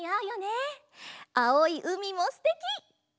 あおいうみもすてき！